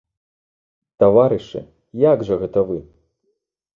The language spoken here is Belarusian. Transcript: Таварышы, як жа гэта вы?